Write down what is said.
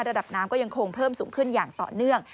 ระดับน้ำก็ยังคงเพิ่มสูงขึ้นอย่างต่อเนื่อง